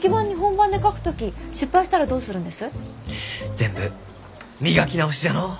全部磨き直しじゃのう。